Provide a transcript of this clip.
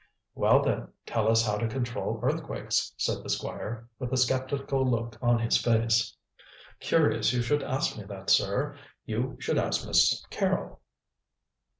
"Well, then, tell us how to control earthquakes," said the Squire, with a sceptical look on his face. "Curious you should ask me that, sir. You should ask Miss Carrol."